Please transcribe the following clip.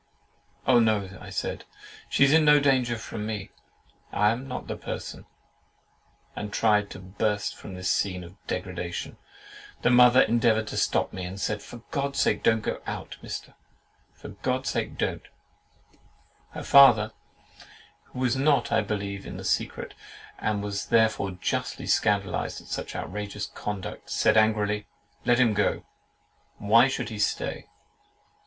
"Oh! no," I said, "She's in no danger from me; I am not the person;" and tried to burst from this scene of degradation. The mother endeavoured to stop me, and said, "For God's sake, don't go out, Mr. ——! for God's sake, don't!" Her father, who was not, I believe, in the secret, and was therefore justly scandalised at such outrageous conduct, said angrily, "Let him go! Why should he stay?"